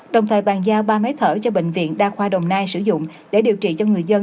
đồng thời bàn giao ba máy thở cho bệnh viện đa khoa đồng nai sử dụng để điều trị cho người dân